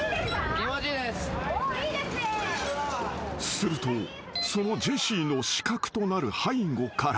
［するとそのジェシーの死角となる背後から］